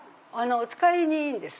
お使いにいいんです。